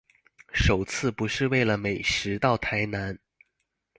首次不是為了美食到台南